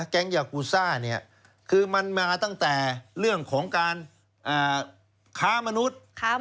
ยากูซ่าเนี่ยคือมันมาตั้งแต่เรื่องของการค้ามนุษย์